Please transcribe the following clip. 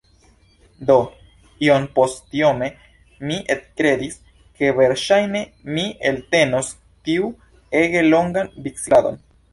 Do, iompostiome mi ekkredis, ke verŝajne mi eltenos tiun ege longan bicikladon.